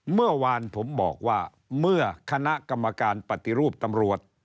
เมื่อวานผมบอกว่าเมื่อคณะกรรมการปฏิรูปตำรวจ